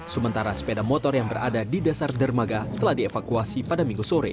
sementara sepeda motor yang berada di dasar dermaga telah dievakuasi pada minggu sore